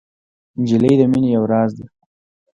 نجلۍ د مینې یو راز ده.